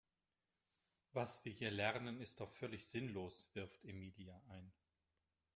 Was wir hier lernen ist doch völlig sinnlos, wirft Emilia ein.